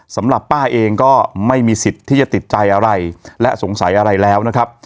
สำหรับป้าเองก็ไม่มีสิทธิ์ที่จะติดใจอะไรและสงสัยอะไรแล้วนะครับ